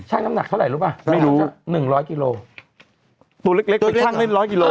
น้ำหนักเท่าไหร่รู้ป่ะไม่รู้สักหนึ่งร้อยกิโลตัวเล็กเล็กเป็นช่างเล่นร้อยกิโล